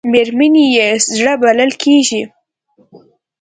مېرمنې یې زړه بلل کېږي .